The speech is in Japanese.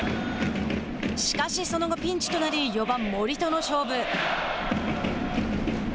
しかし、その後、ピンチとなり４番、森との勝負。